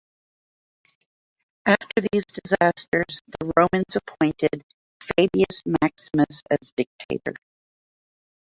After these disasters the Romans appointed Fabius Maximus as dictator.